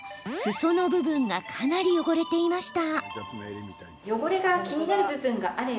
その部分がかなり汚れていました。